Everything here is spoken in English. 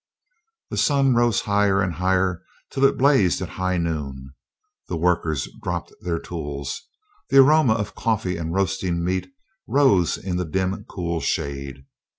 The sun rose higher and higher till it blazed at high noon. The workers dropped their tools. The aroma of coffee and roasting meat rose in the dim cool shade.